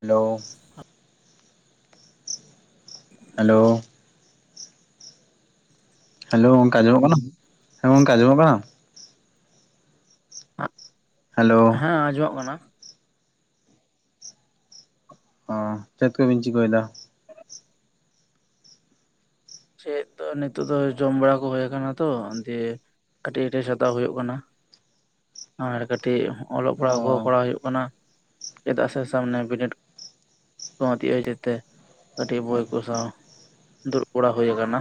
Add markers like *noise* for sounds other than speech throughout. Hello, hello, hello ᱚᱱᱠᱟ ᱟᱸᱚᱢᱚᱜ ᱠᱟᱱᱟ, ᱦᱮᱸ ᱚᱱᱠᱟ ᱟᱸᱡᱚᱢᱚᱜ ᱠᱟᱱᱟ? ᱦᱟᱸᱜ ᱦᱮᱞᱳ ᱦᱮᱸ ᱟᱸᱡᱚᱢᱚᱜ ᱠᱟᱱᱟ᱾ ᱪᱮᱫ ᱠᱚ ᱵᱤᱱ ᱪᱤᱠᱟᱹᱭᱮᱫᱟ? ᱪᱮᱫ ᱫᱚ ᱱᱤᱛᱳᱜ ᱫᱚ ᱡᱚᱢ ᱵᱟᱲᱟ ᱠᱚ ᱦᱚᱸ ᱟᱠᱟᱱᱟ ᱛᱚ᱾ ᱫᱤᱭᱮ ᱠᱟᱹᱴᱤᱡ ᱠᱟᱹᱴᱤᱡ ᱥᱟᱛᱟᱣ ᱦᱩᱭᱩᱜ ᱠᱟᱱᱟ᱾ *unintelligible* ᱟᱨ ᱠᱟᱹᱴᱤᱡ ᱚᱞᱚᱜ ᱯᱟᱲᱦᱟᱜ ᱜᱚ ᱚ ᱠᱚᱨᱟᱣ ᱦᱩᱭᱩᱜ ᱠᱟᱱᱟ᱾ *unintelligible* ᱪᱮᱫᱟᱜ ᱥᱮ ᱥᱟᱢᱱᱮ ᱵᱤᱱᱤᱰ ᱠᱚ ᱦᱚᱛᱤᱜ ᱡᱮᱛᱮᱼᱼ ᱠᱟᱹᱴᱤᱡ ᱵᱳᱭ ᱠᱚ ᱥᱟᱶ ᱫᱩᱲᱩᱵ ᱵᱟᱲᱟᱭ ᱦᱩᱭ ᱟᱠᱟᱱᱟ᱾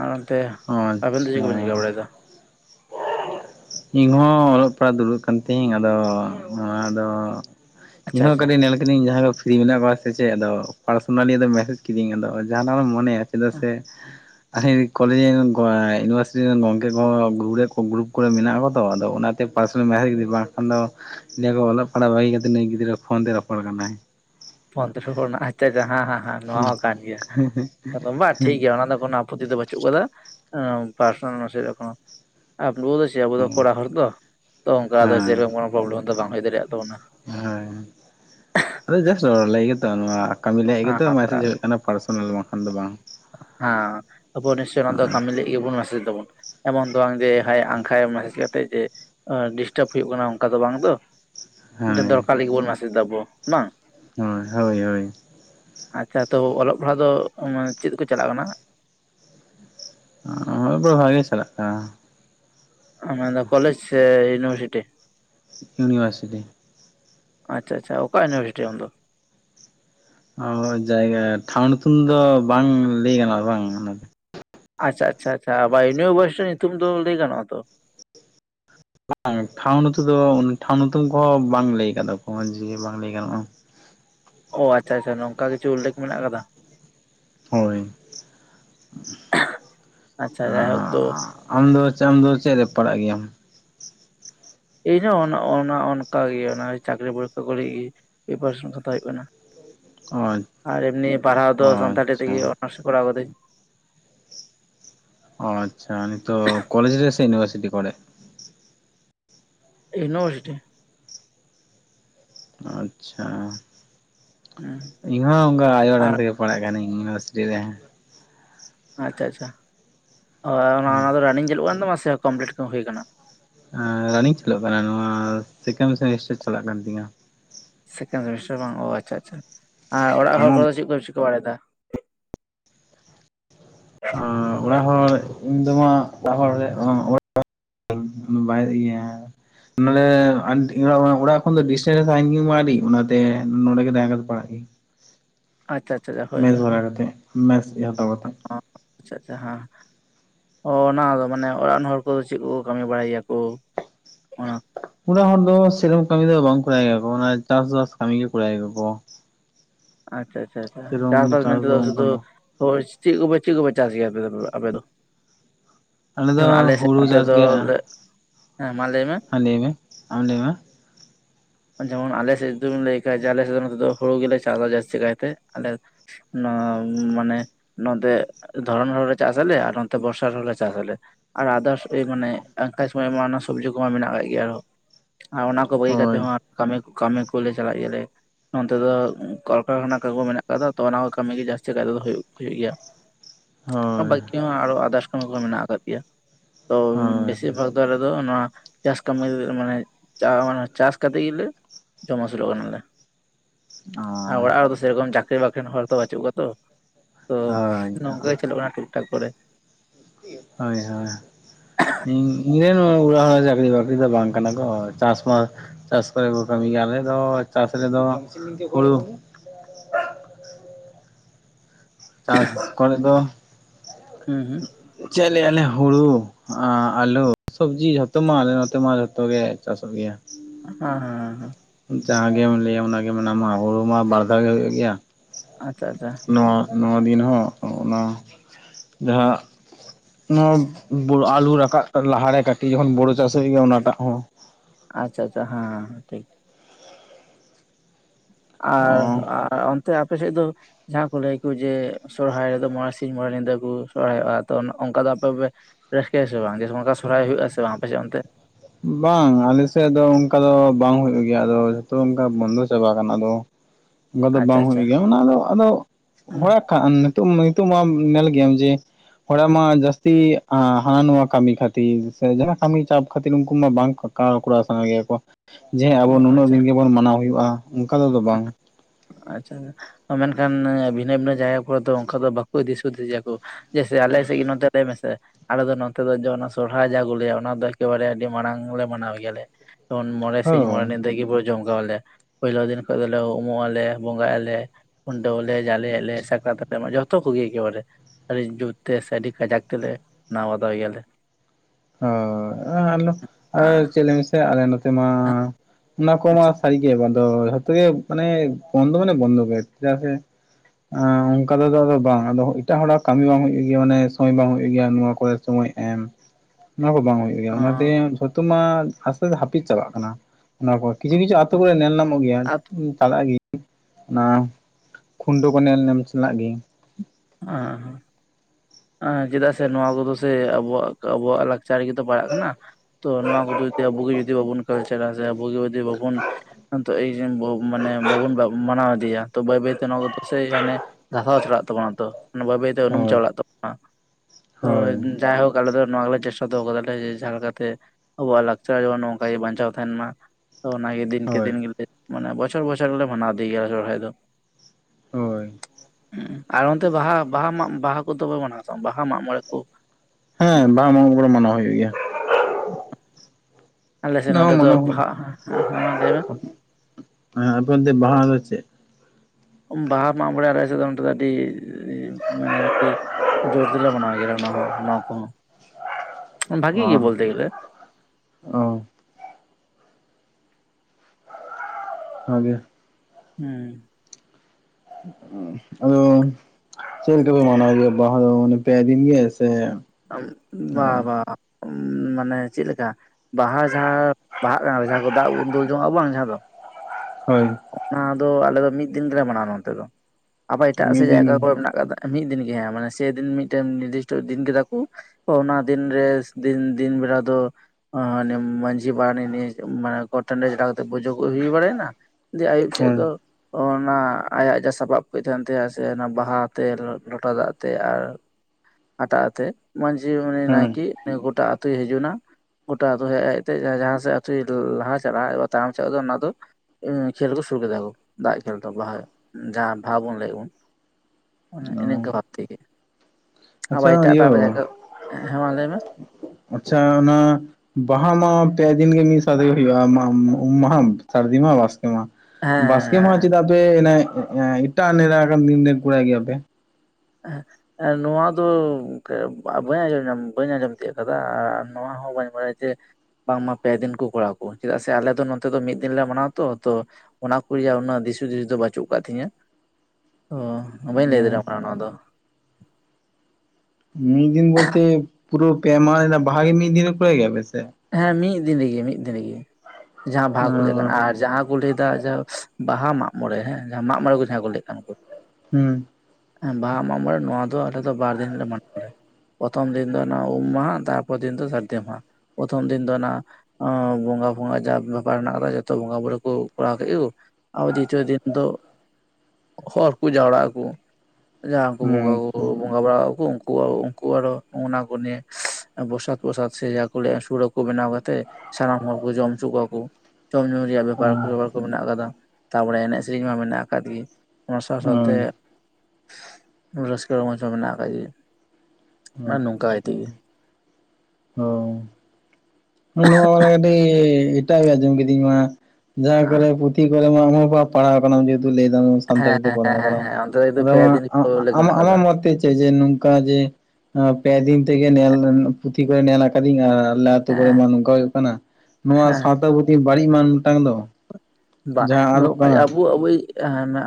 ᱟᱨ ᱮᱱᱛᱮ ᱟᱵᱮᱱ ᱫᱚ ᱪᱮᱫ ᱟᱪᱪᱷᱟ ᱠᱚᱵᱮᱱ ᱪᱤᱠᱟᱹ ᱵᱟᱲᱟᱭᱮᱫᱟ? ᱤᱧ ᱦᱚᱸ ᱚᱞᱚᱜ ᱯᱟᱲᱦᱟᱜ ᱫᱩᱲᱩᱵ ᱠᱟᱱ ᱛᱤᱧ ᱟᱫᱚ ᱱᱚᱣᱟ ᱫᱚ ᱼᱼ ᱟᱪᱪᱷᱟ ᱤᱧᱦᱚᱸ ᱟᱪᱪᱷᱟ ᱠᱟᱹᱴᱤᱡ ᱧᱮᱞ ᱠᱟᱹᱱᱟᱹᱧ ᱡᱟᱦᱟ ᱠᱚᱼᱼ ᱪᱨᱤ ᱢᱮᱱᱟᱜ ᱠᱚᱣᱟ ᱥᱮ ᱪᱮᱫ ᱟᱫᱚ ᱯᱟᱨᱥᱚᱱᱟᱞᱤ ᱟᱫᱚ ᱢᱮᱥᱡᱽ ᱠᱤᱫᱤᱧᱟ ᱟᱫᱚ ᱡᱟᱦᱟᱱᱟᱜ ᱮᱢ ᱢᱚᱱᱮᱭᱟ? ᱪᱮᱫ ᱥᱮ ᱠᱚ ᱩᱱᱤᱵᱷᱟᱨᱥᱤᱴᱤ ᱜᱚᱝᱠᱮ ᱨᱮᱼᱼ ᱜᱨᱩᱯ ᱠᱚᱨᱮ ᱢᱮᱱᱟᱜ ᱠᱚᱣᱟ ᱟᱫᱚ ᱚᱱᱟᱛᱮ ᱯᱟᱨᱥᱚᱱᱟᱞ ᱢᱮᱥᱮᱡᱽ ᱠᱤᱫᱤᱧ ᱵᱟᱝᱠᱷᱟᱱ ᱫᱚᱼᱼ ᱞᱟᱹᱭ ᱟᱠᱚ ᱚᱞᱚᱜ ᱯᱟᱲᱟᱜ ᱵᱟᱹᱜᱤ ᱠᱟᱛᱮ ᱯᱷᱳᱱ ᱛᱮ ᱨᱚᱯᱚᱲ ᱠᱟᱱᱟᱭ᱾ ᱯᱷᱚᱱ ᱛᱮ ᱨᱚᱯᱚᱲ ᱨᱮᱭᱟᱜ, ᱟᱪᱪᱷᱟ ᱦᱮᱸ ᱦᱮᱸ ᱦᱮᱸ ᱱᱚᱣᱟ ᱦᱚᱸ ᱠᱟᱱ ᱜᱮᱭᱟ ᱵᱟᱝ ᱴᱷᱤᱠ ᱜᱮᱭᱟ᱾ ᱚᱱᱟ ᱫᱚ ᱠᱳᱼᱼ *unintelligible* ᱚᱛ ᱫᱚ ᱵᱟᱪᱩᱜ ᱟᱠᱟᱫᱟ ᱚᱱᱟ-ᱼ ᱟᱵᱚ ᱫᱚ ᱠᱚᱲᱟ ᱦᱚᱲ ᱛᱚ ᱚᱱᱠᱟ ᱥᱮᱨᱚᱠᱚᱢ ᱠᱚᱲᱟ ᱦᱚᱲ ᱛᱚ, ᱚᱱᱠᱟᱱᱟ ᱯᱨᱚᱵᱽᱞᱮᱢ ᱫᱚ ᱵᱟᱝ ᱦᱩᱭ ᱫᱟᱲᱮᱭᱟᱜ ᱛᱟᱵᱚᱱᱟ᱾ ᱦᱮᱭ ᱟᱫᱚ ᱡᱟᱹᱥᱛᱤ ᱦᱚᱲ ᱜᱮ ᱛᱚ᱾ ᱱᱚᱣᱟ ᱠᱟᱹᱢᱤ ᱞᱟᱹᱜᱤᱫ ᱦᱮᱸ ᱜᱮᱛᱚ ᱟᱨ ᱢᱮᱥᱮᱡᱽ ᱦᱩᱭᱩᱜ ᱠᱟᱱᱟ, ᱯᱟᱨᱥᱚᱱᱟᱞ ᱵᱟᱝᱠᱷᱟᱱ ᱫᱚ ᱵᱟᱝ᱾ ᱦᱮᱸ ᱟᱵᱚ ᱱᱤᱥᱪᱭ ᱚᱱᱟ ᱫᱚ ᱠᱟᱹᱢᱤ ᱞᱟᱹᱜᱤᱫ ᱜᱮᱵᱚᱱ ᱢᱮᱥᱮᱡ ᱫᱟᱵᱚᱱ ᱮᱢᱚᱱ ᱫᱚ ᱵᱟᱝ ᱡᱮ ᱦᱚᱸ ᱟᱝᱠᱷᱟ ᱢᱮᱥᱮᱡ ᱠᱟᱛᱮᱜ ᱡᱮ ᱰᱤᱥᱴᱟᱵᱽ ᱦᱩᱭᱩᱜ ᱠᱟᱱᱟ, ᱚᱱᱠᱟ ᱫᱚ ᱵᱟᱝ ᱫᱚ᱾ ᱢᱤᱫᱴᱮᱱ ᱦᱳᱭ ᱫᱚᱨᱠᱟᱨ ᱞᱟᱹᱜᱤᱫ ᱵᱚᱱ ᱢᱮᱥᱡᱽ ᱫᱟᱵᱚ ᱵᱟᱝ? ᱦᱳᱭ ᱦᱳᱭ ᱦᱳᱭ᱾ ᱟᱪᱪᱷᱟ ᱛᱚ ᱚᱞᱚᱜ ᱯᱟᱲᱦᱟᱜ ᱫᱚ ᱪᱮᱫ ᱠᱚ ᱪᱟᱞᱟᱜ ᱠᱟᱱᱟ? ᱦᱳᱭ ᱵᱷᱟᱹᱜᱮ ᱪᱟᱞᱟᱜ ᱠᱟᱱᱟ᱾ ᱟᱢᱟᱜ ᱫᱚ ᱠᱚᱞᱮᱡᱽ ᱥᱮ ᱤᱭᱩᱱᱤᱵᱷᱟᱨᱥᱤᱴᱤ? ᱤᱭᱩᱱᱤᱵᱷᱟᱨᱥᱤᱴᱤ᱾ ᱟᱪᱪᱷᱟ ᱟᱪᱪᱷᱟ ᱚᱠᱟ ᱤᱭᱤᱵᱷᱟᱨᱥᱤᱴᱤ ᱟᱢ ᱫᱚ? ᱚ ᱡᱟᱭᱜᱟ ᱴᱷᱟᱶ ᱧᱩᱛᱩᱢ ᱫᱚ ᱵᱟᱝ ᱞᱟᱹᱭ ᱜᱟᱱᱚᱜᱼᱟ ᱵᱟᱝ ᱚᱱᱟ ᱛᱮ ᱟᱪᱪᱷᱟ ᱟᱪᱪᱷᱟ ᱟᱪᱪᱷᱟ, ᱵᱟ ᱤᱭᱩᱱᱤᱵᱷᱟᱨᱥᱤ ᱧᱩᱛᱩᱢ ᱫᱚ ᱞᱟᱹᱭ ᱜᱟᱱᱚᱜ-ᱟ ᱛᱚ ᱾ ᱵᱟᱝ ᱴᱷᱟᱶ ᱱᱩᱛᱩ ᱫᱚ ᱴᱷᱟᱶ ᱱᱩᱛᱩᱢ ᱠᱚᱦᱚᱸ ᱵᱟᱝ ᱞᱟᱹᱭ ᱠᱟᱫᱟ ᱠᱚ ᱡᱮ ᱵᱟᱝ ᱞᱟᱹᱭ ᱜᱟᱱᱚᱜᱼᱟ ᱾ ᱚ ᱟᱪᱪᱷᱟ ᱟᱪᱷᱟ ᱱᱚᱝᱠᱟ ᱠᱤᱪᱷᱩ ᱩᱞᱮᱠᱷ ᱢᱮᱱᱟᱜ ᱟᱠᱟᱫᱟ? ᱦᱳᱭ, ᱟᱪᱪᱷᱟ ᱡᱟᱭᱦᱳᱠ ᱛᱚ ᱟᱸᱻ ᱟᱢ ᱫᱚ ᱟᱢ ᱫᱚ ᱪᱮᱫ ᱨᱮ ᱯᱟᱲᱟᱜ ᱜᱮᱭᱟᱢ? ᱤᱧ ᱦᱚᱸ ᱚᱱ ᱚᱱ ᱚᱱᱠᱟ ᱜᱮ ᱚᱱᱟ ᱪᱟᱹᱠᱨᱤ ᱯᱚᱨᱤᱠᱠᱷᱟ ᱠᱚᱨᱮ ᱜᱮ ᱯᱤᱯᱟᱨᱮᱥᱮᱱ ᱠᱟᱛᱷᱟ ᱦᱩᱭᱩᱜ ᱠᱟᱱᱟ᱾ ᱚ ᱟᱨ ᱮᱢᱱᱤ ᱯᱟᱲᱦᱟᱣ ᱫᱚ ᱥᱟᱱᱛᱟᱲᱤ ᱟᱪᱪᱷᱟ ᱛᱮᱜᱮ ᱚᱱᱟᱨᱥ ᱠᱚᱨᱟᱣ ᱠᱟᱹᱫᱟᱹᱧ ᱾ ᱚ ᱟᱪᱪᱷᱟ ᱱᱤᱛᱚᱜ ᱠᱚᱞᱮᱡ ᱨᱮ ᱥᱮ ᱤᱭᱩᱱᱤᱵᱷᱟᱨᱥᱤᱴᱤ ᱠᱚᱨᱮ? ᱤᱭᱩᱱᱤᱵᱚᱨᱥᱤᱴᱤ᱾ ᱟᱪᱪᱷᱟ ᱦᱩᱸ ᱤᱧ ᱦᱚᱸ ᱚᱝᱠᱟ ᱟᱭᱳ ᱟᱨ ᱟᱲᱟᱝ ᱛᱮᱼᱼ ᱯᱟᱲᱦᱟᱜ ᱠᱟᱱᱟᱹᱧ ᱤᱭᱩᱱᱤᱵᱷᱟᱨᱥᱤᱴᱤ ᱨᱮ᱾ ᱟᱪᱪᱷᱟ ᱟᱪᱪᱷᱟ, ᱚ ᱚᱱᱟ ᱫᱚ ᱨᱟᱱᱤᱝ ᱪᱟᱹᱞᱩᱜ ᱠᱟᱱ ᱛᱟᱢᱟ ᱥᱮ ᱠᱚᱢᱯᱞᱤᱴ ᱦᱩᱭ ᱭᱟ ᱟᱠᱟᱱᱟ? ᱮᱸ ᱨᱟᱱᱤᱝ ᱪᱟᱹᱞᱩᱜ ᱠᱟᱱᱟ ᱱᱚᱣᱟ ᱥᱮᱠᱮᱱᱰ ᱥᱮᱢᱤᱥᱴᱟᱨ ᱪᱟᱞᱟᱜ ᱠᱟᱱ ᱛᱤᱧᱟᱹ᱾ ᱥᱮᱠᱮᱱᱰ ᱥᱮᱢᱤᱥᱴᱟᱨ ᱵᱟᱝ, ᱚ ᱟᱪᱪᱷᱟ ᱟᱪᱪᱷᱟ ᱟᱨ ᱚᱲᱟᱜ ᱦᱚᱲ ᱟᱢᱟᱜ ᱠᱚᱫᱚ ᱪᱮᱫ ᱠᱚ ᱪᱤᱠᱟᱹ ᱵᱟᱲᱟᱭᱮᱫᱟ? ᱟᱨ ᱚᱲᱟᱜ ᱦᱚᱲ ᱤᱧ ᱫᱚᱢᱟ ᱚᱬᱟᱜ ᱦᱚᱬ ᱨᱮ *unintelligible* ᱵᱟᱨ ᱤᱭᱟᱹ *unintelligible* ᱚᱲᱟᱜ ᱠᱷᱚᱱ ᱫᱚ ᱰᱤᱥᱴᱮᱱᱥ ᱛᱟᱦᱮᱱ *unintelligible* ᱢᱟ ᱟᱹᱰᱤ ᱚᱱᱟᱛᱮ ᱱᱚᱰᱮ ᱜᱮ ᱛᱟᱦᱮᱸ ᱠᱟᱛᱮ ᱯᱟᱲᱟᱜ ᱜᱮ᱾ ᱟᱪᱪᱷᱟ ᱟᱪᱪᱷᱟ ᱦᱳᱭ ᱢᱮᱥ ᱦᱳᱭ ᱵᱟᱷᱟᱲᱟ ᱦᱳᱭ ᱠᱟᱛᱮ ᱢᱮᱥ ᱦᱟᱛᱟᱣ ᱠᱟᱛᱮ ᱾ ᱚ ᱟᱪᱪᱷᱟ ᱟᱪᱪᱷᱟ ᱦᱟᱸ ᱾ ᱚ ᱚᱱᱟ ᱫᱚ ᱢᱟᱱᱮ ᱚᱲᱟᱜ ᱨᱮᱱ ᱦᱚᱲ ᱠᱚᱫᱚ ᱪᱮᱫ ᱠᱚᱠᱚ ᱠᱟᱹᱢᱤ ᱵᱟᱲᱟᱭᱟ ᱠᱚ ᱚᱱᱟ? ᱚᱲᱟᱜ ᱦᱚᱲ ᱫᱚ ᱥᱮ ᱨᱮᱠᱚᱢ ᱠᱟᱹᱢᱤ ᱫᱚ ᱵᱟᱝ ᱠᱚᱨᱟᱣ ᱟᱠᱚ ᱚᱱᱟ ᱪᱟᱥᱵᱟᱥ ᱠᱟᱹᱢᱤ ᱜᱮ ᱠᱚᱨᱟᱣ ᱠᱟᱠᱚ ᱾ ᱟᱪᱪᱷᱟ ᱟᱪᱪᱷᱟ ᱥᱮᱨᱚᱢ ᱪᱟᱥᱵᱟᱥ ᱪᱟᱥ ᱫᱚ ᱢᱮᱱᱛᱮᱫᱚ ᱚᱱᱠᱟ ᱥᱩᱫᱩ ᱫᱚ *unintelligible* ᱪᱮᱫ ᱠᱚᱯᱮ ᱪᱮᱫ ᱠᱚᱯᱮ ᱪᱟᱥ ᱜᱮᱭᱟ ᱟᱯᱮ *unintelligible* ᱟᱯᱮ ᱫᱚ? ᱫᱚ ᱡᱮᱢᱚᱱ ᱟᱞᱮ ᱥᱮᱫ ᱦᱩᱲᱩ ᱱᱚᱛᱮ ᱪᱟᱥ ᱫᱚ, ᱜᱮ ᱦᱮᱸ ᱢᱟ ᱞᱟᱹᱭ ᱢᱮ ᱾ ᱦᱮᱸ ᱞᱟᱹᱭ ᱢᱮ ᱟᱢ ᱞᱟᱹᱭ ᱢᱮ ᱡᱮᱢᱚᱱ ᱟᱞ ᱥᱮ ᱫᱚᱢ ᱞᱟᱹᱭ ᱠᱷᱟᱡ ᱟᱞᱮ ᱥᱮᱫ ᱫᱚ ᱱᱚᱛᱮ ᱫᱚ ᱦᱩᱲᱩ ᱜᱮᱞᱮ ᱪᱟ ᱫᱚ ᱡᱟᱹᱥᱛᱤ ᱠᱟᱭᱛᱮ ᱟᱞᱮ ᱚᱱᱟ ᱢᱟᱱᱮ ᱱᱚᱛᱮ ᱫᱷᱚᱨᱚᱱ ᱨᱮᱦᱚ ᱞᱮ ᱪᱟᱥ ᱟᱞᱮ ᱟᱨ ᱱᱚᱛᱮ ᱵᱚᱨᱥᱟ ᱨᱮ ᱞᱮ ᱪᱟᱥ ᱟᱞᱮ ᱾ ᱟᱨ ᱟᱫᱟᱨᱥ ᱟᱹᱭ ᱢᱟᱱᱮ ᱟᱱᱠᱷᱟᱭ ᱥᱚᱢᱚᱭ ᱢᱟ ᱚᱱᱟ ᱥᱚᱵᱽᱡᱤ ᱠᱚᱢᱟ ᱢᱮᱱᱟᱜ ᱟᱠᱟᱫ ᱜᱮᱭᱟ ᱟᱨᱦᱚᱸ ᱾ ᱟᱨ ᱚᱱᱟ ᱠᱚ ᱵᱟᱹᱜᱤ ᱠᱟᱛᱮᱫ ᱦᱳᱭ ᱦᱚᱸ ᱠᱟᱹᱢᱤ ᱠᱟᱹᱢᱤ ᱠᱚᱞᱮ ᱪᱟᱞᱟᱜ ᱜᱮᱭᱟ ᱞᱮ, ᱱᱚᱱᱛᱮ ᱫᱚ ᱠᱚᱞᱠᱟᱨᱠᱷᱟᱱᱟ ᱠᱚᱠᱚ ᱢᱮᱱᱟᱜ ᱟᱠᱟᱫᱟ ᱛᱚ ᱚᱱᱟ ᱠᱚ ᱠᱟᱹᱢᱤ ᱜᱮ ᱡᱟᱹᱥᱛᱤ ᱠᱟᱭ ᱛᱮ ᱫᱚ ᱦᱳᱭᱳᱜ ᱜᱮᱭᱟ ᱾ ᱦᱳᱭ ᱵᱟᱹᱠᱤ ᱦᱚᱸ ᱟᱨᱚ ᱟᱫᱟᱨᱥ ᱠᱟᱢᱤ ᱠᱚᱦᱚᱸ ᱢᱮᱱᱟᱜ ᱟᱠᱟᱫ ᱜᱮᱭᱟ ᱛᱚ ᱵᱤᱥᱤ ᱦᱳᱭ ᱵᱤᱥᱤᱨ ᱵᱷᱟᱜ ᱫᱚ ᱟᱞᱮ ᱫᱚ ᱱᱚᱣᱟ ᱪᱟᱥ ᱠᱟᱹᱢᱤ ᱨᱮ ᱢᱟᱱᱮ ᱢᱟᱱᱮ ᱪᱟᱥ ᱠᱟᱛᱮ ᱜᱮᱞᱮ ᱡᱚᱢ ᱟᱹᱥᱩᱞᱚᱜ ᱠᱟᱱᱟ ᱞᱮ ᱾ ᱚ ᱟᱨ ᱚᱲᱟᱜ ᱨᱮᱫᱚ ᱥᱮᱨᱚᱠᱚᱢ ᱪᱟᱹᱠᱨᱤ ᱵᱟᱹᱠᱨᱤ ᱨᱮᱱ ᱦᱚᱲ ᱛᱚ ᱵᱟᱪᱩᱜ ᱠᱚᱣᱟ ᱛᱚ, ᱛᱚ ᱦᱳᱭ ᱱᱚᱝᱠᱟ ᱜᱮ ᱪᱞᱩᱜ ᱠᱟᱱᱟ ᱴᱩᱠ ᱴᱟᱠ ᱠᱚᱨᱮ ᱾ ᱦᱳᱭ ᱦᱳᱭ ᱾ ᱤᱧ ᱤᱧ ᱨᱮᱱ ᱚᱲᱟᱜ ᱚᱲᱟᱜ ᱦᱚᱲ ᱦᱚ ᱪᱟᱹᱠᱨᱤ ᱵᱟᱹᱠᱨᱤ ᱫᱚ ᱵᱟᱝ ᱠᱟᱱᱟ ᱠᱚ ᱪᱟᱥᱵᱟᱥ ᱪᱟᱥ ᱠᱚᱨᱮ ᱠᱚ ᱠᱟᱹᱢᱤ ᱜᱮᱭᱟ ᱟᱞᱮ ᱫᱚ ᱪᱟᱥ ᱨᱮᱫᱚ ᱦᱩᱲᱩ *inaudible* ᱪᱟᱥ ᱠᱚᱨᱮᱜ ᱫᱚ ᱦᱩᱸ ᱦᱩᱸ ᱾ ᱪᱮᱫ ᱞᱮᱭᱟᱞᱮ ᱦᱩᱲᱩ ᱟᱸᱻ ᱟᱞᱩ ᱥᱚᱵᱡᱤ ᱡᱷᱚᱛᱚ ᱢᱟ ᱟᱞᱮ ᱱᱚᱛᱮ ᱢᱟ ᱡᱷᱚᱛᱚ ᱜᱮ ᱪᱟᱥᱚᱜ ᱜᱮᱭᱟ ᱾ ᱦᱮᱸ ᱦᱮᱸ ᱻ ᱡᱟᱦᱟᱸ ᱜᱮᱢ ᱞᱟᱹᱭᱟ ᱚᱱᱟ ᱜᱮ ᱢᱮᱱᱟᱢᱟ ᱦᱩᱲᱩ ᱢᱟ ᱵᱟᱨ ᱫᱷᱟᱣ ᱜᱮ ᱦᱩᱭᱩᱜ ᱜᱮᱭᱟ ᱾ ᱟᱪᱷᱟ ᱟᱪᱷᱟ ᱾ ᱱᱚᱣᱟ ᱱᱚᱣᱟ ᱫᱤᱱ ᱦᱚᱸ ᱚᱱᱟ ᱡᱟᱦᱟ ᱱᱚᱣᱟ ᱵᱩᱞ ᱟᱞᱩ ᱨᱟᱠᱟᱜ ᱞᱟᱦᱟᱨᱮ ᱠᱟᱹᱴᱤᱡ ᱡᱚᱠᱷᱚᱱ ᱵᱳᱲᱳ ᱪᱟᱥ ᱦᱩᱭᱩᱜ ᱜᱮᱭᱟ ᱚᱱᱟᱴᱟᱜ ᱦᱚᱸ ᱟᱪᱷᱟ ᱟᱪᱷᱟ ᱛᱟᱸ ᱦᱸ ᱦᱸ ᱚ ᱟᱨ ᱚᱱᱛᱮ ᱟᱯᱮ ᱥᱮᱜ ᱫᱚ ᱡᱟᱦᱟᱸ ᱠᱚ ᱞᱟᱹᱭ ᱠᱩ ᱡᱮ ᱥᱚᱨᱦᱟᱭ ᱨᱮᱫᱚ ᱢᱚᱬᱮ ᱥᱤᱧ ᱢᱚᱬᱮ ᱧᱤᱫᱟᱹ ᱠᱚ ᱥᱚᱨᱦᱟᱭᱚᱜᱼᱟ ᱛᱚ ᱚᱱᱠᱟ ᱫᱚ ᱟᱯᱮ ᱯᱮ ᱨᱟᱹᱥᱠᱟᱹᱭᱟ ᱥᱮ ᱵᱟᱝ ᱡᱮ ᱚᱱᱠᱟ ᱥᱚᱨᱦᱟᱭ ᱦᱩᱭᱩᱜᱼᱟ ᱥᱮ ᱵᱟᱝ ᱟᱯᱮᱥᱮᱜ ᱚᱱᱛᱮ? ᱵᱟᱝ ᱟᱞᱮ ᱥᱮᱫ ᱫᱚ ᱚᱱᱠᱟ ᱫᱚ ᱵᱟᱝ ᱦᱩᱭᱩᱜ ᱜᱮᱭᱟ ᱟᱫᱚ ᱡᱷᱚᱛᱚ ᱚᱱᱠᱟ ᱵᱚᱱᱫᱚ ᱪᱟᱵᱟ ᱠᱟᱱᱟ ᱟᱫᱚ ᱚᱝᱠᱟ ᱫᱚ ᱟᱪᱪᱷᱟ ᱵᱟᱝ ᱟᱪᱪᱷᱟ ᱦᱩᱭᱩᱜ ᱜᱮᱭᱟ ᱚᱱᱟᱫᱚ ᱟᱫᱚ ᱦᱮᱸ ᱦᱚᱲᱟᱜ ᱠᱟᱜ ᱟᱱ ᱱᱤᱛ ᱱᱤᱛᱚᱜ ᱢᱟ ᱧᱮᱞ ᱜᱮᱭᱟᱢ ᱡᱮ ᱦᱚᱲᱟᱜ ᱢᱟ ᱡᱟᱹᱥᱛᱤ ᱦᱟᱱᱟ ᱱᱚᱣᱟ ᱠᱟᱹᱢᱤ ᱠᱷᱟᱛᱤᱨ ᱥᱮ ᱡᱟᱦᱟᱸ ᱠᱟᱹᱢᱤ ᱪᱟᱯ ᱠᱷᱟᱹᱛᱤᱨ ᱩᱱᱠᱩ ᱢᱟ ᱵᱟᱝ ᱠᱟ ᱠᱩᱲᱟᱣ ᱥᱟᱱᱟ ᱜᱮᱭᱟ ᱠᱚ ᱡᱮᱸ ᱚ ᱟᱵᱚ ᱱᱩᱱᱟᱹᱜ ᱟᱪᱪᱷᱟ ᱫᱤᱱ ᱜᱮᱵᱚᱱ ᱢᱟᱱᱟᱣ ᱦᱩᱭᱩᱜᱼᱟ᱾ ᱚᱝᱠᱟ ᱫᱚ ᱟᱫᱚ ᱵᱟᱝ ᱟᱪᱷᱟ ᱢᱮᱱᱠᱷᱟᱱ ᱵᱷᱤᱱᱟᱹ ᱵᱷᱤᱱᱟᱹ ᱡᱟᱭᱜᱟ ᱠᱚᱨᱮ ᱫᱚ ᱚᱝᱠᱟ ᱫᱚ ᱵᱟᱠᱚ ᱤᱫᱤ ᱥᱫᱭᱟᱹᱠᱩ ᱡᱮ ᱥᱮ ᱟᱞᱮ ᱥᱮᱜ ᱜᱤ ᱱᱚᱛᱮ ᱞᱮ ᱢᱮ ᱥᱮ ᱟᱞᱮ ᱫᱚ ᱱᱚᱛᱮ ᱫᱚ ᱡᱮ ᱚᱱᱟ ᱥᱚᱨᱦᱟᱭ ᱡᱟ ᱠᱩ ᱞᱟᱹᱭᱟ ᱚᱱᱟ ᱫᱚ ᱮᱠᱮᱵᱟᱨᱮ ᱟᱹᱰᱤ ᱢᱟᱲᱟᱝ ᱞᱮ ᱢᱟᱱᱟᱣ ᱜᱮᱭᱟ ᱞᱮ ᱢᱚᱬᱮ ᱥᱤᱧ ᱢᱚᱬᱮ ᱦᱳᱭ ᱧᱤᱫᱟᱹ ᱜᱤ ᱵᱚᱞ ᱡᱚᱢ ᱠᱚ ᱮᱢᱟ ᱞᱮᱭᱟ, ᱯᱳᱭᱞᱳ ᱫᱤᱱ ᱠᱷᱚᱡ ᱫᱚᱞᱮ ᱩᱢᱩᱜ ᱟᱞᱮ ᱵᱚᱸᱜᱟᱭᱟᱞᱮ ᱠᱷᱰᱟᱹᱣᱞᱮ ᱡᱟᱞᱮᱭᱟᱞᱮ ᱥᱟᱠᱨᱟᱛ *unintelligible* ᱡᱚᱛᱚ ᱠᱚᱜᱤ ᱮᱠᱮᱱ ᱵᱟᱨᱮ ᱟᱹᱰᱤ ᱡᱩᱛ ᱛᱮ ᱥᱮ ᱟᱹᱰᱤ ᱠᱟᱡᱟᱠ ᱛᱮᱞᱮ ᱱᱟᱣᱟᱛᱟᱣ ᱜᱮᱭᱟ ᱞᱮ ᱦᱳ *unintelligible* ᱟᱨ ᱪᱮᱫ ᱞᱟᱹᱭ ᱢᱮᱥᱮ ᱟᱞᱮ ᱱᱚᱛᱮ ᱢᱟ ᱚᱱᱟ ᱠᱚᱢᱟ ᱥᱟᱨᱤ ᱜᱮ ᱵᱟᱸᱫᱚ ᱡᱚᱛ ᱜᱮ ᱢᱟᱱᱮ ᱵᱚᱱᱫ ᱢᱟᱱᱮ ᱵᱚᱱᱫ ᱜᱮ ᱪᱮᱫᱟᱜ ᱥᱮ ᱚᱝᱠᱟ ᱛᱮᱫᱚ ᱟᱫᱚ ᱵᱟᱝ ᱟᱫᱚ ᱮᱴᱟᱜ ᱦᱚᱲᱟᱜ ᱠᱟᱹᱢᱤ ᱵᱟᱝ ᱦᱩᱭᱩᱜ ᱜᱮᱭᱟ ᱢᱟᱱᱮ ᱥᱚᱢᱚᱭ ᱵᱟᱝ ᱦᱩᱭᱩᱜ ᱜᱮᱭᱟ ᱱᱚᱣᱟ ᱠᱚᱨᱮ ᱥᱚᱢᱚᱭ ᱮᱢ ᱚᱱᱟ ᱠᱚ ᱵᱟᱝ ᱦᱩᱭᱩᱜ ᱜᱮᱭᱟ ᱚᱱᱟᱛᱮ ᱡᱷᱚᱛᱚ ᱢᱟ ᱟᱥᱛᱮ ᱟᱥᱛᱮ ᱦᱟᱹᱯᱤᱫ ᱪᱟᱞᱟᱜ ᱠᱟᱱᱟ ᱚᱱᱟ ᱠᱚ ᱠᱤᱪᱷᱩ ᱠᱤᱪᱷᱩ ᱛᱳᱜᱳᱭ ᱱᱮᱞ ᱧᱟᱢᱚᱜ ᱜᱮᱭᱟ ᱟᱪᱪᱷᱟ ᱟᱨ ᱪᱟᱞᱟᱜ ᱜᱮᱭᱟ ᱚᱱᱟ ᱠᱷᱩᱱᱰᱳ ᱠᱚ ᱧᱮᱞ ᱱᱟᱢ ᱪᱟᱞᱟᱜ ᱜᱤᱭᱤ? ᱟᱸᱻ ᱦᱟᱸ ᱮᱸ ᱪᱮᱫᱟᱜ ᱥᱮ ᱱᱚᱣᱟ ᱠᱚᱫᱚ ᱥᱮ ᱟᱵᱚᱣᱟᱜ ᱟᱫᱚ ᱟᱵᱚᱣᱟᱜ ᱞᱟᱠᱪᱟᱨ ᱨᱮ ᱜᱮᱛᱚ ᱯᱟᱲᱟᱜ ᱠᱟᱱᱟ ᱛᱚ ᱱᱚᱣᱟ ᱠᱚᱫᱚ ᱡᱩᱫᱤ ᱟᱵᱚ ᱜᱮ ᱡᱩᱫᱤ ᱵᱟᱵᱚᱱ ᱠᱟᱞᱪᱟᱨᱟ ᱥᱮ ᱟᱵᱚ ᱜᱮ ᱡᱩᱫᱤ ᱵᱟᱵᱩᱱ ᱚᱱᱛᱚ ᱮᱭᱡᱮᱱ ᱵᱟᱵ ᱢᱟᱱᱮ ᱵᱟᱵᱩᱱ ᱢᱟᱱᱟᱣ ᱤᱫᱤᱭᱟ ᱛᱚ ᱵᱟᱹᱭ ᱵᱟᱹᱭ ᱛᱮ ᱱᱚᱣᱟ ᱠᱚᱫᱚ ᱥᱮ ᱦᱟᱸᱱᱮ ᱫᱷᱟᱥᱟᱣ ᱪᱟᱞᱟᱜ ᱛᱟᱵᱚᱱᱟ ᱛᱚ ᱚᱱᱟ ᱵᱟᱹᱭ ᱵᱟᱹᱭ ᱛᱮ ᱩᱱᱩᱢ ᱦᱳᱭ ᱪᱟᱞᱟᱜ ᱛᱟᱵᱚᱱᱟ ᱛᱚ ᱦᱳᱭ ᱡᱟᱭᱦᱳᱠ ᱟᱞᱮ ᱫᱚ ᱱᱚᱣᱟ ᱜᱮᱞᱮ ᱪᱮᱥᱴᱟ ᱫᱚᱦᱚ ᱟᱠᱟᱫᱟ ᱞᱮ ᱡᱮ ᱡᱟᱦᱟᱸ ᱞᱮᱠᱟ ᱛᱮ ᱟᱵᱚᱣᱟᱜ ᱞᱟᱠᱪᱟᱨ ᱡᱮᱢᱚᱱ ᱱᱚᱝᱠᱟ-ᱜᱮ ᱵᱟᱧᱪᱟᱣ ᱛᱟᱸᱦᱮᱱ ᱢᱟ ᱛᱚ ᱚᱱᱟ ᱜᱮ ᱫᱤᱱ ᱠᱮ ᱦᱳᱭ ᱫᱤᱱ ᱜᱮᱞᱮ ᱢᱟᱱᱮ ᱵᱚᱪᱷᱚᱨ ᱵᱚᱪᱷᱚᱨ ᱜᱮᱞᱮ ᱢᱟᱱᱟᱣ ᱤᱫᱤᱭ ᱜᱮᱭᱟ ᱥᱚᱨᱦᱟᱭ ᱫᱚ ᱦᱳᱭ ᱟᱨ ᱚᱱᱛᱮ ᱵᱟᱦᱟ ᱵᱟᱦᱟ ᱢᱟᱜ ᱵᱟᱦᱟ ᱠᱚᱫᱚ ᱯᱮ ᱢᱟᱱᱟᱣᱟ ᱥᱮ ᱵᱟᱝ ᱵᱟᱦᱟ ᱢᱟᱜ ᱢᱚᱬᱮ ᱠᱚ? ᱦᱮᱸ ᱵᱟᱦᱟ ᱢᱟᱜ ᱢᱚᱬᱮ ᱢᱟᱱᱟᱣ ᱦᱩᱭᱳᱜ ᱜᱮᱭᱟ ᱟᱞᱮ ᱥᱮᱜ ᱚᱱᱟ ᱦᱚᱸ ᱱᱚᱸᱰᱮ ᱫᱚ ᱢᱟᱱᱟᱣ ᱦᱩᱭᱩᱜ ᱵᱷᱟᱜ ᱦᱮᱸ ᱦᱟᱢᱟᱫᱮᱨ ᱦᱮᱸ ᱟᱯᱮ ᱚᱱᱛᱮ ᱵᱟᱦᱟ ᱟᱫᱚ ᱪᱮᱫ? ᱵᱟᱦᱟ ᱢᱟᱜ ᱢᱚᱬᱮ ᱟᱞᱮ ᱥᱮᱫ ᱫᱚ ᱱᱚᱱᱛᱮ ᱫᱚ ᱫᱚ ᱟᱹᱰᱤ ᱢᱟᱱᱮ ᱟᱹᱰᱤ ᱡᱳᱨ ᱛᱮᱞᱮ ᱢᱟᱱᱟᱣ ᱜᱮᱭᱟᱞᱮ ᱱᱚᱣᱟ ᱦᱚᱸ ᱱᱚᱣᱟ ᱠᱚᱦᱚᱸ ᱵᱷᱟᱜᱤ ᱚ ᱜᱮ ᱵᱚᱞᱛᱮ ᱜᱮᱞᱮ ᱚ ᱦᱷᱟᱜᱮ ᱦᱩᱸ ᱟᱫᱚ ᱪᱮᱫ ᱞᱮᱠᱟ ᱯᱮ ᱢᱟᱱᱟᱣ ᱜᱮᱭᱟ ᱵᱟᱦᱟ ᱫᱚ ᱢᱟᱱᱮ ᱯᱮ ᱫᱤᱱ ᱜᱮ ᱥᱮ? ᱵᱟᱸ ᱵᱟ ᱢᱟᱱᱮ ᱪᱮᱜ ᱞᱮᱠᱟ ᱵᱟᱦᱟ ᱡᱟᱦᱟᱸ ᱵᱟᱦᱟᱜ ᱠᱟᱱᱟ ᱞᱮ ᱡᱟᱦᱟᱸ ᱠᱚ ᱫᱟᱜ ᱵᱚᱱ ᱫᱩᱞ ᱡᱚᱝᱟᱜ-ᱟ ᱵᱟᱝ ᱡᱟᱦᱟᱸ ᱫᱚ ᱦᱳᱭ ᱚᱱᱟ ᱫᱚ ᱟᱞᱮ ᱫᱚ ᱢᱤᱫ ᱫᱤᱱ ᱜᱮᱞᱮ ᱢᱟᱱᱟᱣᱟ ᱱᱚᱛᱮ ᱫᱚ ᱟᱵᱟᱨ ᱮᱴᱟᱜ ᱥᱮᱫ ᱢᱤᱫ ᱫᱤᱱ ᱡᱟᱭᱜᱟ ᱠᱚ ᱢᱮᱱᱟᱜ ᱟᱠᱟᱫᱟ ᱢᱤᱜ ᱫᱤᱱ ᱜᱮ ᱦᱟᱸ ᱢᱟᱱᱮ ᱥᱮᱫᱤᱱ ᱢᱤᱜᱴᱮᱱ ᱱᱤᱨᱫᱤᱥᱴᱚ ᱫᱤᱱ ᱠᱮᱫᱟ ᱠᱩ ᱚᱱᱟ ᱫᱤᱱ ᱨᱮ ᱫᱤᱱ ᱫᱤᱱ ᱵᱮᱲᱟ ᱫᱚᱼᱼ ᱢᱟᱹᱡᱷᱤ ᱯᱟᱨᱟᱱᱤ ᱱᱤᱭ ᱢᱟᱱᱮ ᱠᱚ ᱴᱟᱺᱰᱤ ᱨᱮ ᱪᱟᱞᱟᱣ ᱠᱟᱛᱮ ᱠᱚ *unintelligible* ᱵᱟᱲᱟᱭᱮᱱᱟ᱾ ᱫᱤᱭᱮ ᱟᱹᱭᱩᱵ ᱥᱮᱫ ᱦᱳᱭ ᱫᱚᱼᱼ ᱚᱱᱟ ᱟᱭᱟᱜ ᱡᱟᱦᱟᱸ ᱥᱟᱯᱟᱵ ᱠᱚ ᱛᱟᱦᱮᱱ ᱛᱟᱭᱟ ᱥᱮ ᱚᱱᱟ ᱵᱟᱦᱟ ᱟᱛᱮ ᱞᱚᱴᱟ ᱫᱟᱜ ᱟᱛᱮ ᱟᱨ ᱦᱟᱴᱟᱜ ᱟᱛᱮᱜ ᱢᱟᱺᱡᱷᱤ ᱩᱱᱤ ᱦᱮᱸ ᱱᱟᱭᱠᱮ ᱱᱩᱭ ᱜᱚᱴᱟ ᱟᱹᱛᱩᱭ ᱦᱤᱡᱩᱱᱟ᱾ ᱜᱚᱴᱟ ᱟᱹᱛᱩ ᱦᱮᱡ ᱦᱮᱡ ᱛᱮ ᱡᱟᱦᱟᱸ ᱥᱮᱫ ᱟᱹᱛᱩᱭ ᱞᱟᱦᱟ ᱪᱟᱞᱟᱜ-ᱟ, ᱮᱵᱟᱨ ᱛᱟᱭᱚᱢ ᱥᱮᱫ ᱟᱫᱚ ᱚᱱᱟ ᱫᱚᱼᱼ ᱠᱷᱮᱞ ᱠᱚ ᱥᱩᱨᱩ ᱠᱮᱫᱟ ᱠᱚ ᱫᱟᱜ ᱮᱛᱚᱦᱚᱵ ᱞᱟᱦᱟ ᱡᱟᱦᱟᱸ ᱵᱟᱦᱟ ᱵᱚᱱ ᱞᱟᱹᱭᱟ ᱵᱚᱱ᱾ ᱚ ᱮᱱᱮᱡ ᱫᱚ ᱞᱟᱹᱜᱤᱛᱤ ᱜᱮ ᱟᱵᱟᱨ ᱟᱪᱪᱷᱟ ᱮᱴᱟᱜ ᱤᱭᱟᱹ ᱮᱴᱟᱜ ᱡᱟᱭᱜᱟ, ᱦᱮᱸ ᱢᱟ ᱞᱟᱹᱭ ᱢᱮᱼᱼ ᱟᱪᱪᱷᱟ ᱚᱱᱟᱼᱼ ᱵᱟᱦᱟ ᱢᱟ ᱯᱮ ᱫᱤᱱ ᱜᱮ ᱢᱤᱫ ᱥᱟᱶ ᱛᱮ ᱜᱮ ᱦᱩᱭᱩᱜ-ᱟ, ᱩᱢ ᱢᱟᱦᱟ, ᱥᱟᱹᱨᱫᱤ ᱢᱟᱦᱟ, ᱵᱟᱥᱠᱮ ᱢᱟᱦᱟ᱾ ᱵᱟᱥᱠᱮ ᱢᱟᱦᱟ ᱦᱮᱸ ᱪᱮᱫᱟᱜ ᱟᱯᱮ ᱚᱱᱮ ᱮᱴᱟᱜ ᱱᱮᱲᱟ ᱟᱠᱟᱱ ᱫᱤᱱ ᱨᱮ ᱠᱚᱨᱟᱣ ᱜᱮᱭᱟ ᱯᱮ? *unintelligible* ᱱᱚᱣᱟ ᱫᱚ ᱜᱚᱢᱠᱮ ᱵᱟᱹᱧ ᱟᱸᱡᱚᱢ ᱵᱟᱹᱧ ᱟᱸᱡᱚᱢ ᱛᱤᱭᱩᱜ ᱟᱠᱟᱫᱟ ᱟᱨ ᱱᱚᱣᱟ ᱦᱚᱸ ᱵᱟᱹᱧ ᱵᱟᱲᱟᱭᱟ ᱡᱮᱼᱼ ᱵᱟᱝᱢᱟ ᱯᱮ ᱫᱤᱱ ᱠᱚ ᱠᱚᱨᱣᱟ ᱠᱚ, ᱪᱮᱫᱟᱜ ᱥᱮ ᱟᱞᱮ ᱫᱚ ᱱᱚᱛᱮ ᱫᱚ ᱢᱤᱫ ᱫᱤᱱ ᱞᱮ ᱢᱟᱱᱟᱣᱟ ᱛᱚ ᱛᱚᱼᱼ ᱚᱱᱟ ᱠᱚ ᱨᱮᱭᱟᱜ ᱩᱱᱟᱹᱜ ᱫᱤᱥ ᱦᱩᱫᱤᱥ ᱫᱚ ᱵᱟᱹᱪᱩᱜ ᱟᱠᱟᱫ ᱛᱤᱧᱟᱹ, ᱛᱚ ᱵᱟᱹᱧ ᱞᱟᱹᱭ ᱫᱟᱲᱮᱭᱟᱢ ᱠᱟᱱᱟ ᱚᱱᱟ ᱫᱚᱼᱼ ᱢᱤᱫ ᱫᱤᱱ ᱵᱚᱞᱛᱮ ᱯᱩᱨᱟᱹ ᱯᱮ ᱢᱟᱦᱟ ᱨᱮᱱᱟᱜ ᱵᱟᱦᱟ ᱜᱮ ᱢᱤᱫ ᱫᱤᱱ ᱨᱮ ᱠᱚᱨᱟᱣ ᱜᱮᱭᱟ ᱯᱮ‌‌ ᱥᱮ ᱪᱮᱫ? ᱦᱮᱸ ᱢᱤᱫ ᱫᱤᱱ ᱨᱮᱜᱮ ᱢᱤᱫ ᱫᱤᱱ ᱨᱮᱜᱮ ᱡᱟᱦᱟᱸ ᱵᱟᱦᱟ ᱠᱚ ᱞᱟᱹᱭᱟᱜ ᱚ ᱠᱟᱱᱟ ᱟᱨ ᱡᱟᱦᱟᱸ ᱠᱚ ᱞᱟᱹᱭ ᱮᱫᱟ ᱡᱟᱦᱟ ᱵᱟᱦᱟ ᱢᱟᱜᱽᱢᱚᱬᱮ ᱦᱮᱸ ᱡᱟᱦᱟᱸ ᱢᱟᱜᱽ ᱢᱚᱬᱮ ᱠᱚ ᱞᱟᱹᱭᱮᱫ ᱠᱟᱱ ᱠᱚᱼᱼ ᱦᱩᱸ᱾ ᱵᱟᱦᱟ ᱢᱟᱜᱽ ᱢᱚᱬᱮ ᱱᱚᱣᱟ ᱫᱚ ᱟᱞᱮ ᱫᱚ ᱵᱟᱨ ᱫᱤᱱ ᱞᱮ ᱢᱟᱱᱟᱣ ᱟᱞᱮ᱾ ᱯᱨᱚᱛᱷᱚᱢ ᱫᱤᱱ ᱫᱚ ᱱᱚᱣᱟ ᱩᱢ ᱢᱟᱦᱟ ᱛᱟᱨᱯᱚᱨ ᱫᱤᱱ ᱫᱚ ᱥᱟᱹᱨᱫᱤ ᱢᱟᱦᱟ ᱯᱨᱚᱛᱷᱚᱢ ᱫᱤᱱ ᱫᱚ ᱚᱱᱟᱼᱼ ᱵᱚᱸᱜᱟ ᱯᱷᱚᱸᱜᱟ ᱡᱟᱛ ᱵᱮᱯᱟᱨ ᱢᱮᱱᱟᱜ ᱠᱟᱫᱟ ᱡᱚᱛᱚ ᱵᱚᱸᱜᱟ ᱵᱩᱨᱩ ᱠᱚ ᱠᱚᱨᱟᱣ ᱠᱮᱫ ᱜᱮ ᱠᱚ᱾ ᱟᱵᱚ ᱫᱤᱛᱤᱭᱚ ᱫᱤᱱ ᱫᱚ ᱦᱚᱨ ᱠᱚ ᱡᱟᱣᱨᱟᱜ ᱟᱠᱚ᱾ ᱡᱟᱦᱟᱸᱠᱚ ᱵᱚᱸᱜᱟ ᱵᱩᱨᱩ ᱵᱚᱱᱼᱼ ᱟᱪᱪᱷᱟ ᱵᱚᱸᱜᱟ ᱵᱟᱲᱟᱣᱟᱠᱚ ᱩᱱᱠᱩ ᱟᱨᱚ ᱚᱱᱟ ᱠᱚ ᱱᱤᱭᱚᱹ *unintelligible* *unintelligible* ᱥᱮ ᱪᱮᱫ ᱠᱚ ᱞᱮᱭᱟ ᱥᱩᱲᱟᱹ ᱠᱚ ᱵᱮᱱᱟᱣ ᱠᱟᱛᱮᱫ ᱥᱟᱱᱟᱢ ᱦᱚᱲ ᱠᱚ ᱡᱚᱢ ᱦᱚᱪᱚ ᱠᱚᱣᱟ ᱠᱚ᱾ ᱡᱚᱢ ᱧᱩ ᱨᱮᱭᱟᱜ ᱵᱮᱯᱟᱨ ᱵᱮᱯᱟᱨ ᱠᱚ ᱢᱮᱱᱟᱜ ᱠᱟᱫᱟ ᱛᱟᱨᱯᱚᱨᱮ ᱮᱱᱮᱡ ᱥᱮᱨᱮᱧ ᱢᱟ ᱢᱮᱱᱟᱜ ᱟᱠᱟᱫ ᱜᱮ᱾ ᱚᱱᱟ ᱥᱟᱶ ᱥᱟᱶᱛᱮ ᱟᱪᱪᱷᱟ ᱨᱟᱹᱥᱠᱟᱹ ᱨᱚᱢᱚᱡᱽ ᱦᱚᱸ ᱢᱮᱱᱟᱜ ᱟᱠᱟᱫ ᱜᱮ᱾ ᱟᱨ ᱱᱚᱝᱠᱟ ᱠᱟᱭ ᱟᱪᱪᱷᱟ ᱛᱮᱜᱮ ᱚᱼᱼ ᱱᱚᱣᱟ ᱵᱚᱞᱮ ᱠᱟᱴᱤᱡ ᱮᱴᱟᱜ ᱜᱮ ᱟᱡᱚᱢ ᱠᱤᱫᱟᱹᱧ ᱱᱚᱣᱟ ᱡᱟᱸᱦᱟ ᱦᱮᱸ ᱠᱚᱨᱮᱼᱼ ᱠᱚᱨᱮ ᱢᱟ *unintelligible* ᱯᱟᱲᱦᱟᱣ ᱠᱟᱱᱟᱢ ᱡᱩᱫᱤᱼᱼ ᱞᱟᱹᱭ ᱫᱟᱢ ᱥᱟᱱᱛᱟᱲᱤ ᱛᱮ ᱦᱮᱸ ᱦᱮᱸ ᱯᱟᱲᱦᱟᱣ ᱦᱮᱸ ᱠᱟᱱᱟᱢ ᱦᱮᱸ ᱚᱱᱛᱮ ᱫᱚ ᱟᱫᱚ ᱯᱮ ᱫᱤᱱ ᱞᱟᱹᱜᱤᱫ ᱟᱢ ᱢᱮᱱᱟᱜ ᱠᱟᱫᱟ ᱟᱢᱟᱜ ᱢᱚᱛ ᱛᱮ ᱪᱮᱫ ᱡᱮ ᱡᱮ ᱱᱚᱝᱠᱟ ᱡᱮ ᱯᱮ ᱫᱤᱱ ᱛᱮᱜᱮ ᱱᱮᱞ ᱯᱩᱛᱷᱤ ᱠᱚᱨᱮ ᱱᱮᱞ ᱠᱟᱫᱤᱧ ᱟᱨᱼᱼ ᱟᱹᱛᱩ ᱠᱚᱨᱮ ᱦᱮᱸ ᱢᱟ ᱱᱚᱝᱠᱟ ᱦᱳᱭᱳᱜ ᱠᱟᱱᱟ ᱱᱚᱣᱟ ᱦᱮᱸ ᱥᱟᱶᱛᱟ ᱯᱩᱛᱷᱤ ᱵᱟᱹᱲᱤᱡ ᱢᱟᱱ ᱢᱤᱫᱴᱟᱝ ᱫᱚᱼᱼ ᱵᱟ ᱱᱚᱣᱟ ᱟᱵᱩ ᱟᱵᱩᱭ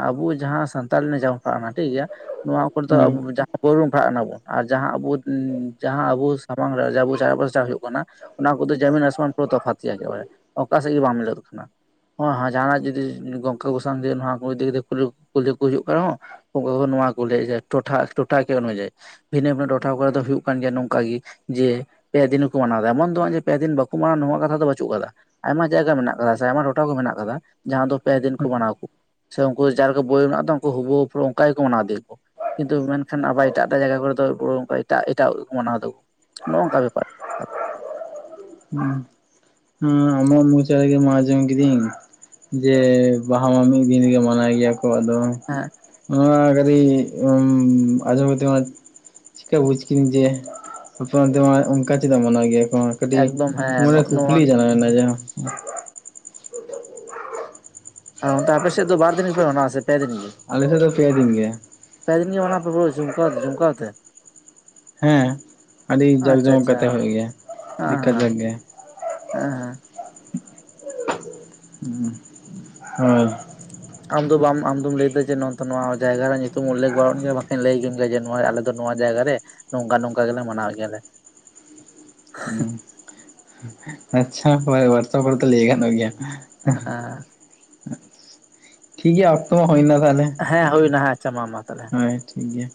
ᱟᱵᱩ ᱡᱟᱦᱟᱸ ᱥᱟᱱᱛᱟᱲ ᱨᱮᱱᱮ ᱡᱟᱢᱯᱟ ᱠᱟᱱᱟ ᱴᱷᱤᱠ ᱜᱮᱭᱟ᱾ ᱱᱚᱣᱟ ᱠᱚᱨᱮ ᱫᱚ ᱟᱵᱚ ᱦᱮᱸ ᱡᱟᱼᱼ ᱟᱵᱚ ᱵᱚᱱ ᱯᱟᱲᱦᱟᱜᱼᱟ ᱚᱱᱟ ᱫᱚ, ᱟᱨ ᱡᱟᱦᱟᱸ ᱟᱵᱚ ᱡᱟᱦᱟᱸ ᱟᱵᱚ ᱥᱟᱢᱟᱝ ᱨᱮ ᱟᱵᱚ *unintelligible* ᱦᱳᱭᱳᱜ ᱠᱟᱱᱟ᱾ ᱚᱱᱟ ᱠᱚᱫᱚ ᱡᱚᱢᱤᱱ ᱟᱥᱚᱢᱟᱱ ᱯᱩᱨᱟᱹ ᱛᱚᱯᱷᱟᱛ ᱜᱮᱭᱟ ᱮᱠᱮᱱ ᱵᱟᱨᱮ ᱚᱠᱟ ᱥᱮᱫ ᱜᱮ ᱵᱟᱝ ᱢᱤᱞᱟᱹᱜ ᱠᱟᱱᱟ᱾ ᱦᱚᱸ ᱦᱚᱸ ᱡᱟᱦᱟᱱᱟᱜ ᱡᱩᱫᱤ ᱜᱚᱝᱠᱮ ᱠᱚᱸᱥᱟᱝ ᱡᱮ ᱱᱚᱣᱟ ᱠᱩ ᱤᱫᱤ ᱠᱟᱛᱮ ᱠᱩᱠᱞᱤ ᱠᱚ ᱦᱩᱭᱩᱜ ᱠᱟᱱᱟ ᱵᱟᱝᱼᱼ ᱩᱱᱠᱩ ᱦᱚᱸ ᱱᱚᱣᱟ ᱠᱚ ᱞᱟᱹᱭᱮ-ᱟ ᱡᱮ ᱴᱚᱴᱷᱟ ᱴᱚᱴᱷᱟ ᱠᱤᱭᱟᱹ ᱚᱱᱩᱡᱟᱭᱤ᱾ ᱵᱷᱤᱱᱟᱹ ᱵᱷᱤᱱᱟᱹ ᱴᱚᱴᱷᱟ ᱠᱚᱨᱮ ᱫᱚ ᱦᱩᱭᱩᱜ ᱠᱟᱱ ᱜᱮᱭᱟ ᱱᱚᱝᱠᱟ ᱜᱤ ᱡᱮᱼᱼ ᱯᱮ ᱫᱤᱱ ᱦᱚᱸ ᱠᱚ ᱢᱟᱱᱟᱣ ᱮᱫᱟ, ᱮᱢᱚᱱ ᱫᱚ ᱵᱟᱝ ᱡᱮ ᱯᱮ ᱫᱤᱱ ᱵᱟᱠᱚ ᱢᱟᱱᱟᱣᱟ ᱱᱚᱶᱟ ᱠᱟᱛᱷᱟ ᱫᱚ ᱵᱟᱪᱩᱜ ᱠᱟᱫᱟ, ᱟᱭᱢᱟ ᱡᱟᱭᱜᱟ ᱢᱮᱱᱟᱜ ᱠᱟᱫᱟ ᱥᱮ ᱟᱭᱢᱟ ᱴᱚᱴ ᱴᱷᱟ ᱠᱚ ᱢᱮᱱᱟᱜ ᱠᱟᱫᱟ ᱡᱟᱦᱟᱸ ᱫᱚ ᱯᱮ ᱫᱤᱱ ᱠᱚ ᱢᱟᱱᱟᱣᱟ ᱠᱩ᱾ ᱥᱮ ᱩᱱᱠᱩ ᱡᱟᱦᱟᱸ ᱞᱮᱠᱟ ᱵᱳᱭ ᱢᱮᱱᱟᱜ ᱛᱚ ᱩᱱᱠᱩ ᱦᱩᱵᱩᱦᱩ ᱯᱩᱨᱟᱹ ᱚᱱᱠᱟ ᱜᱮᱠᱚ ᱢᱟᱱᱟᱣ ᱤᱫᱤᱭᱟᱠᱚ᱾ ᱠᱤᱱᱛᱩ ᱢᱮᱱᱠᱷᱟᱱ ᱟᱵᱟᱨ ᱮᱴᱟᱜ ᱮᱴᱟᱜ ᱡᱟᱭᱜᱟ ᱠᱚᱨᱮ ᱫᱚ ᱯᱩᱨᱟᱹ ᱚᱱᱠᱟ ᱮᱴᱟᱜ ᱮᱴᱟᱜ ᱢᱟᱱᱟᱣ ᱫᱟᱠᱚ ᱱᱚᱜᱼᱚ ᱱᱚᱝᱠᱟ ᱵᱮᱯᱟᱨ᱾ ᱦᱮᱸ ᱟᱢᱟᱜ ᱢᱚᱪᱟ ᱨᱮᱜᱮ ᱢᱟ ᱟᱡᱚᱢ ᱠᱤᱫᱤᱧᱺ ᱡᱮ ᱵᱟᱦᱟ ᱢᱟ ᱢᱤᱫ ᱫᱤᱱ ᱨᱮ ᱜᱮ ᱢᱟᱱᱟᱣ ᱜᱮᱭᱟ ᱠᱚ ᱟᱫᱚᱼᱼ ᱦᱮᱸ ᱱᱚᱣᱟ ᱠᱟᱹᱴᱤᱢ, ᱟᱸᱡᱚᱢ ᱠᱟᱛᱮ ᱢᱟᱼᱼ ᱪᱮᱠᱟ ᱵᱩᱡᱽ ᱠᱤᱫᱤᱧ ᱡᱮ ᱟᱯᱮ ᱚᱱᱛᱮᱢᱟ ᱚᱱᱠᱟ ᱪᱮᱫᱟᱜ ᱢᱟᱱᱟᱣ ᱜᱮᱭᱟ ᱠᱚ? ᱠᱟᱹᱴᱤᱡ ᱮᱠᱫᱚᱢ ᱦᱮᱸ ᱢᱚᱱᱮ ᱨᱮ ᱱᱚᱜ ᱱᱚᱣᱟ ᱠᱩᱠᱞᱤ ᱡᱟᱱᱟᱣ ᱮᱱᱟ ᱡᱟᱸᱦᱟ᱾ ᱟᱨ ᱚᱱᱛᱮ ᱟᱯᱮᱥᱮᱫ ᱫᱚ ᱵᱟᱨ ᱫᱤᱱ ᱯᱮ ᱢᱟᱱᱟᱣᱟ ᱥᱮ ᱯᱮ ᱫᱤᱱ ᱜᱮ? ᱟᱞᱮᱥᱮᱫ ᱫᱚ ᱯᱮ ᱫᱤᱱ ᱜᱮ᱾ ᱯᱮ ᱫᱤᱱ ᱜᱮ ᱢᱟᱱᱟᱣᱟᱯᱮ ᱯᱩᱨᱟᱹ ᱡᱷᱩᱢᱠᱟ ᱡᱷᱩᱢᱠᱟ ᱛᱮ? ᱦᱮᱸ, ᱟᱹᱰᱤ ᱡᱟᱠ ᱟᱪᱪᱷᱟ ᱡᱚᱢᱚᱠ ᱟᱪᱪᱷᱟ ᱠᱟᱛᱮ ᱦᱩᱭᱩᱜ ᱜᱮᱭᱟ, ᱟᱹᱰᱤ ᱦᱮᱸ ᱠᱟᱡᱟᱠ ᱦᱮᱸ ᱜᱮ᱾ ᱦᱮᱸ ᱦᱮᱸ᱾ ᱦᱳᱭ ᱟᱢ ᱫᱚ ᱵᱟᱢ ᱟᱢᱫᱚᱢ ᱞᱟᱹᱭ ᱫᱟ ᱡᱮ ᱱᱚᱱᱛᱮ ᱱᱚᱣᱟ ᱡᱟᱭᱜᱟ ᱨᱮᱭᱟᱜ ᱧᱩᱛᱩᱢ ᱩᱞᱞᱮᱠᱷ ᱵᱟᱹᱱᱩᱜ ᱜᱮᱭᱟ᱾ ᱵᱟᱠᱷᱟᱱ ᱞᱟᱹᱭ ᱠᱮᱢ ᱜᱮᱭᱟ ᱱᱚᱣᱟ ᱟᱞᱮ ᱫᱚ ᱱᱚᱣᱟ ᱡᱟᱭᱜᱟ ᱨᱮ ᱱᱚᱝᱠᱟ ᱱᱚᱝᱠᱟ ᱜᱮᱞᱮ ᱢᱟᱱᱟᱣ ᱜᱮᱭᱟ ᱞᱮ᱾ ᱦᱮ ᱟᱪᱪᱷᱟ ᱦᱚᱣᱟᱴᱥᱮᱯ ᱨᱮᱫᱚ ᱞᱟᱹᱭ ᱜᱟᱱᱚᱜ ᱜᱮᱭᱟ᱾ ᱴᱷᱤᱠ ᱜᱮᱭᱟ ᱚᱠᱛᱚ ᱦᱚᱸ ᱦᱳᱭᱱᱟ ᱛᱟᱦᱚᱞᱮ᱾ ᱦᱮᱸ ᱦᱩᱭᱱᱟ ᱦᱮᱸ ᱟᱪᱪᱷᱟ ᱢᱟ ᱛᱟᱦᱚᱞᱮ᱾ ᱦᱳᱭ ᱴᱷᱤᱠ ᱜᱮᱭᱟ᱾